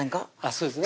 そうですね